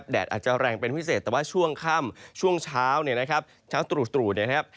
แดดอาจจะแรงเป็นพิเศษแต่ว่าช่วงค่ำช่วงเช้าช้าตรู่